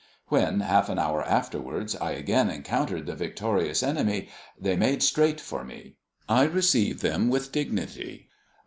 When, half an hour afterwards, I again encountered the victorious enemy, they made straight for me. I received them with dignity.